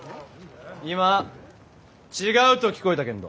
今「違う」と聞こえたけんど。